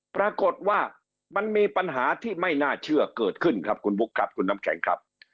ปรากฏว่ามันมีปัญหาที่ไม่น่าเชื่อเกิดขึ้นครับคุณบุ๊คครับคุณน้ำแข็งครับ